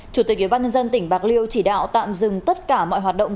chủ tịch ubnd tỉnh bạc liêu chỉ đạo tạm dừng tất cả mọi hoạt động